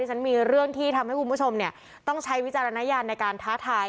ฉันมีเรื่องที่ทำให้คุณผู้ชมต้องใช้วิจารณญาณในการท้าทาย